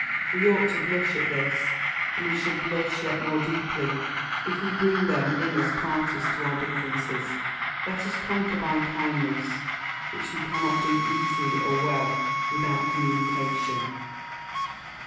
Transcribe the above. We ought to blush at this : and we should blush yet more deeply if we bring them in as parties to our differences. Let us conquer by kindness ; which w cannot do easily or well without communication.